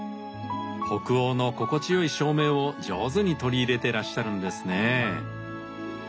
北欧の心地よい照明を上手に取り入れていらっしゃるんですね。